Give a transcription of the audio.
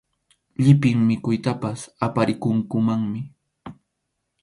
Llipin mikhuytapas aparikunkumanmi.